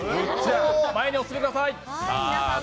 前へお進みください。